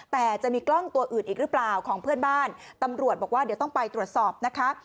แต่จะมีกล้องตัวอื่นอีกหรือเปล่าของเพื่อนบ้านตำรวจบอกว่าเดี๋ยวต้องไปตรวจสอบนะคะ